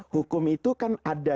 hukum itu kan ada